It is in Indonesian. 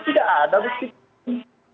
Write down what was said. tidak ada berarti